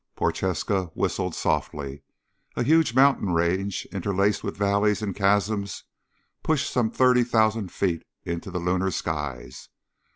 Prochaska whistled softly. A huge mountain range interlaced with valleys and chasms pushed some thirty thousand feet into the lunar skies.